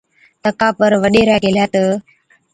تڪا پر وڏيرَي ڪيهلَي تہ،